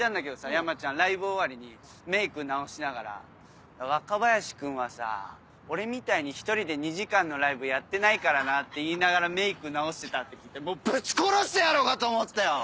山ちゃんライブ終わりにメイク直しながら「若林君はさ俺みたいに１人で２時間のライブやってないからな」って言いながらメイク直してたって聞いてもうぶち殺してやろうかと思ったよ！